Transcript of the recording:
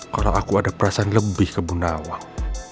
kalau aku ada perasaan lebih ke ibu nawang